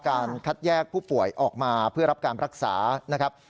การคัดแยกผู้ป่วยออกมาเพื่อรับการรักษานะครับ